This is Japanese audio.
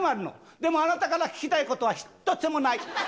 でもあなたから聞きたいことは、一つもない。